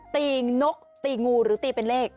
ตีนกตีงูหรือตีเป็นเลข